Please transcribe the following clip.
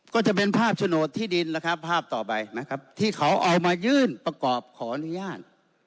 ก็จะเป็นภาพโฉนดที่ดินนะครับภาพต่อไปนะครับที่เขาเอามายื่นประกอบขออนุญาต